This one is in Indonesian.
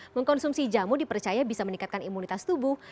mengkonsumsi jamu dipercaya bisa meningkatkan imunitas tubuh